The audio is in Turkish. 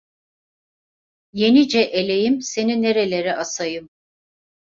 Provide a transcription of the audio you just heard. Yenice eleğim, seni nerelere asayım?